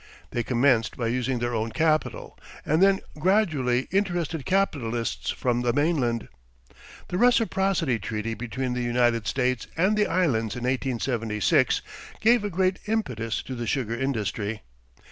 They commenced by using their own capital, and then gradually interested capitalists from the mainland. The Reciprocity Treaty between the United States and the Islands in 1876 gave a great impetus to the sugar industry.